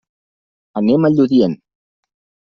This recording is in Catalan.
Anem a Lludient.